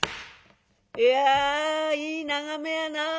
「いやいい眺めやな。